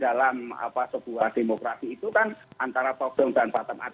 di dalam sebuah demokrasi itu kan antara top down dan bottom up